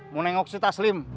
mau nengok si taslim